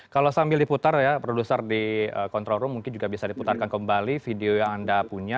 kalau sambil diputar ya produser di control room mungkin juga bisa diputarkan kembali video yang anda punya